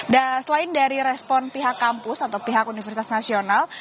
nah selain dari respon pihak kampus atau pihak universitas nasional